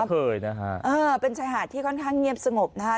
เคยนะฮะเออเป็นชายหาดที่ค่อนข้างเงียบสงบนะฮะ